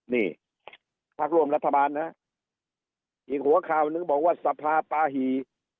นี่พักร่วมรัฐบาลนะฮะอีกหัวข่าวหนึ่งบอกว่าสภาปาหี่